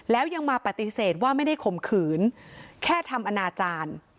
แล้วยังมาปฏิเสธว่าไม่ได้ข่มขืนแค่ทำอนาจารย์